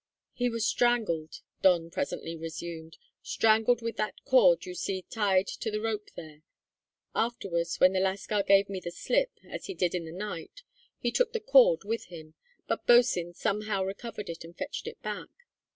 "He was strangled," Don presently resumed, "strangled with that cord you see tied to the rope there. Afterwards, when the lascar gave me the slip, as he did in the night, he took the cord with him; but Bosin somehow recovered it and fetched it back.